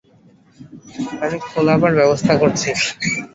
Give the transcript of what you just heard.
আমি খোলাবার ব্যবস্থা করছি।